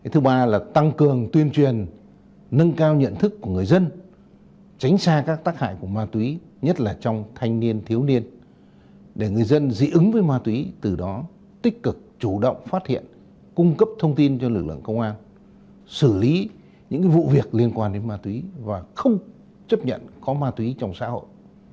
thứ ba là tăng cường tuyên truyền nâng cao nhận thức của người dân tránh xa các tác hại của ma túy nhất là trong thanh niên thiếu niên để người dân dị ứng với ma túy từ đó tích cực chủ động phát hiện cung cấp thông tin cho lực lượng công an xử lý những vụ việc liên quan đến ma túy và không chấp nhận có ma túy trong xã hội